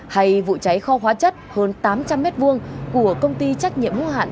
hay vụ cháy kho hóa chất hơn tám trăm linh m hai của công ty trách nhiệm hữu hạn